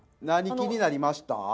何気になりました？